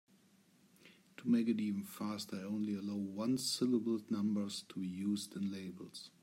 To make it even faster, I only allow one-syllable numbers to be used in labels.